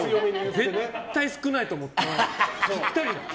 絶対少ないと思った。